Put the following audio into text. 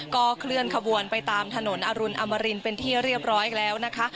ก็เคลื่อนขบวนไปตามถนนอรุณอมรินเป็นที่เรียบร้อยแล้วนะคะ